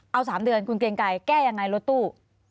เอา๓เดือนคุณเกรงไกรแก้ยังไงรถตู้